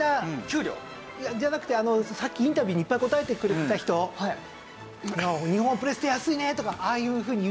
給料？じゃなくてあのさっきインタビューにいっぱい答えてくれてた人「日本はプレステ安いね」とかああいうふうに言ってた人。